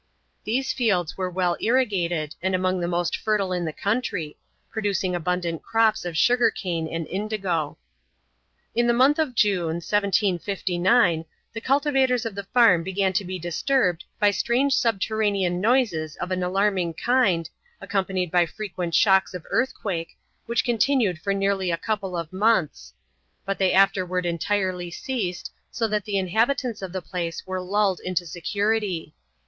These fields were well irrigated, and among the most fertile in the country, producing abundant crops of sugar cane and indigo. In the month of June, 1759, the cultivators of the farm began to be disturbed by strange subterranean noises of an alarming kind, accompanied by frequent shocks of earthquake, which continued for nearly a couple of months; but they afterward entirely ceased, so that the inhabitants of the place were lulled into security.